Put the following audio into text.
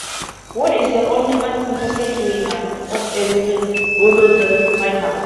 Wood is the only uncontested winner of a Wimbledon final.